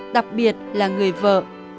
đặc biệt là người vợ